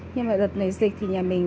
nhưng mà đợt này dịch thì nhà mình